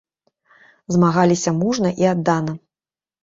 Змагаліся мужна і аддана.